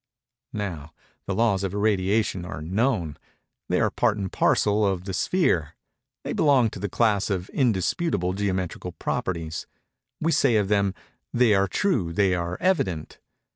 Now, the laws of irradiation are known. They are part and parcel of the sphere. They belong to the class of indisputable geometrical properties. We say of them, "they are true—they are evident."